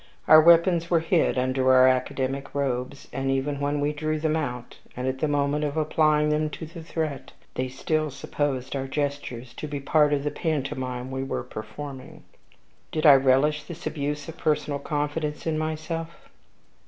Our weapons were hid under our academic robes; and even when we drew them out, and at the moment of applying them to the threat, they still supposed our gestures to be part of the pantomime we were performing. Did I relish this abuse of personal confidence in myself?